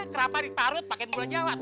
kerapa ditarut pake gula jawa